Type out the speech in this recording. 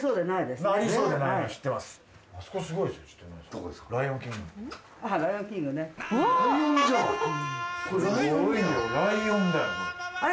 すごいよライオンだよこれ。